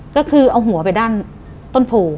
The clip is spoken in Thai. ก็คือเอาหัวไปด้านต้นโพ